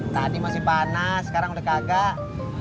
tadi masih panas sekarang udah kagak